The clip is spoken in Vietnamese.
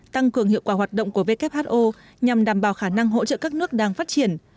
tăng cường hiệu quả hoạt động của who nhằm đảm bảo khả năng hỗ trợ các nước đang phát triển